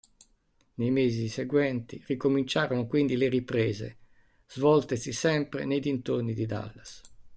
Nei mesi seguenti ricominciarono quindi le riprese, svoltesi sempre nei dintorni di Dallas.